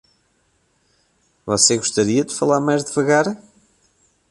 Você gostaria de falar mais devagar?